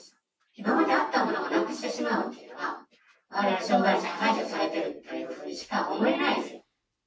今まであったものをなくしてしまうというのは、われわれ障がい者が排除されてるというふうにしか思えないですよ。